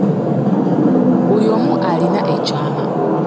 Buli omu alina ekyama.